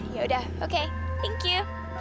yaudah oke thank you